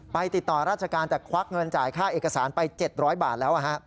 ติดต่อราชการแต่ควักเงินจ่ายค่าเอกสารไป๗๐๐บาทแล้ว